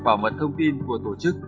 bảo mật thông tin của tổ chức